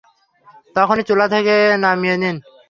তখনই চুলা থেকে নামিয়ে নিন।